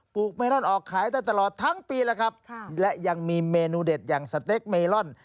เมลอนออกขายได้ตลอดทั้งปีแล้วครับและยังมีเมนูเด็ดอย่างสเต็กเมลอน